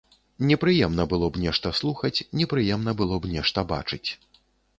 Непрыемна было б нешта слухаць, непрыемна было б нешта бачыць.